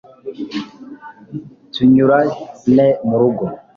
tunyurane mu rugo